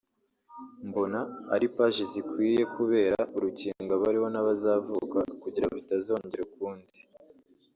mbona ari pages zikwiye kubera urukingo abariho n’abazavuka kugirango bitazongera ukundi